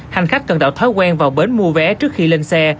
hành khách cần tạo thói quen vào bến mua vé trước khi lên xe